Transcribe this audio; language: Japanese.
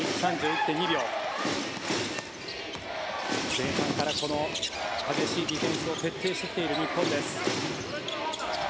前半からこの激しいディフェンスを徹底してきている日本です。